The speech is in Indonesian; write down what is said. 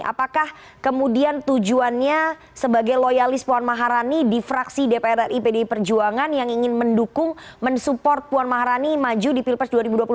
apakah kemudian tujuannya sebagai loyalis puan maharani di fraksi dpr ri pdi perjuangan yang ingin mendukung mensupport puan maharani maju di pilpres dua ribu dua puluh empat